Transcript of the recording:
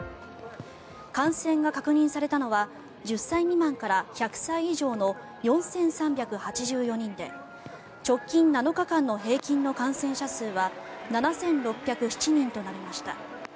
感染が確認されたのは１０歳未満から１００歳以上の４３８４人で直近７日間の平均の感染者数は７６０７人となりました。